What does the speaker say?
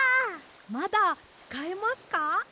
まだつかえますか？